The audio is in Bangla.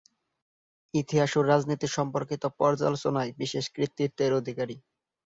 ইতিহাস ও রাজনীতি সম্পর্কিত পর্যালোচনায় বিশেষ কৃতিত্বের অধিকারী।